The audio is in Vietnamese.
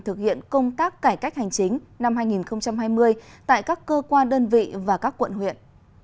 thực hiện công tác cải cách hành chính năm hai nghìn hai mươi tại các cơ quan đơn vị và các quận huyện